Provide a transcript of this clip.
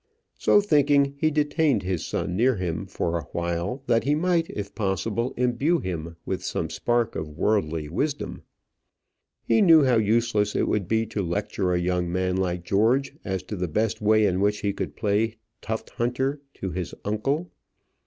So thinking, he detained his son near him for awhile, that he might, if possible, imbue him with some spark of worldly wisdom. He knew how useless it would be to lecture a young man like George as to the best way in which he could play tuft hunter to his uncle.